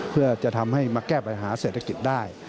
เพื่อจะทำให้มาแก้ปัญหาเศรษฐกิจได้